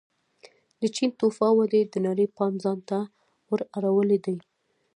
د چین توفا ودې د نړۍ پام ځان ته ور اړولی دی.